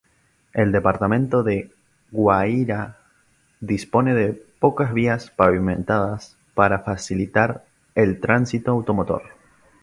El Departamento de Guairá dispone de pocas vías pavimentadas para facilitar el tránsito automotor.